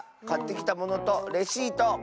かってきたものとレシート